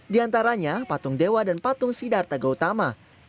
di antaranya patung dewa dan patung sidar tega utama